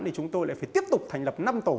thì chúng tôi lại phải tiếp tục thành lập năm tổ